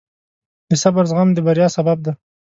د صبر زغم د بریا سبب دی.